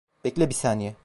Bekle bir saniye.